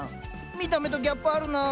見た目とギャップあるなあ。